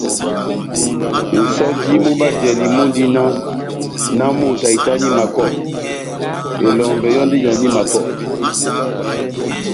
Nʼsɔjo mú bajlali mundi náh : nahámoto ahitani makɔ, elɔmbɛ yɔ́ndi éjani makɔ.